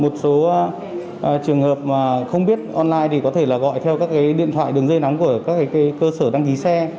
một số trường hợp mà không biết online thì có thể là gọi theo các điện thoại đường dây nóng của các cơ sở đăng ký xe